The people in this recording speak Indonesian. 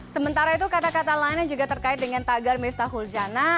sementara itu kata kata lainnya juga terkait dengan tagar miftahul jana